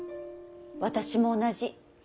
私も同じ。